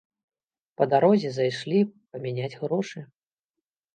Па дарозе зайшлі памяняць грошы.